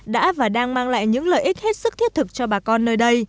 đã và đang mang lại những lợi ích hết sức thiết thực cho bà con nơi đây